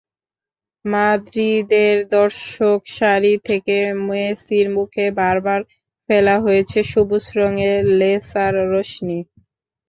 মাদ্রিদের দর্শকসারি থেকে মেসির মুখে বারবার ফেলা হয়েছে সবুজ রঙের লেসার-রশ্মি।